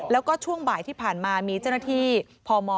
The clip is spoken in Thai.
แล้วก็ช่วงบ่ายที่ผ่านมามีเจ้าหน้าที่พม